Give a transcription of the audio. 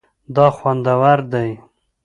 دا خوندور دی